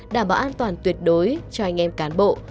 đảm bảo an toàn tuyệt đối cho anh em cán bộ